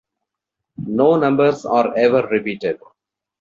No numbers are ever repeated.